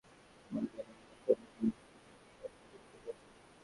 Online জগৎ থেকে মাঠে-ময়দানের আলাপে নেমে আসে ফেসবুকের একটা গ্রুপের কথা।